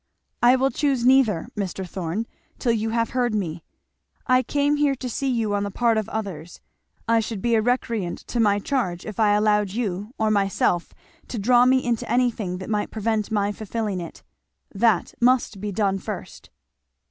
"I will choose neither, Mr. Thorn, till you have heard me. I came here to see you on the part of others I should be a recreant to my charge if I allowed you or myself to draw me into anything that might prevent my fulfilling it. That must be done first."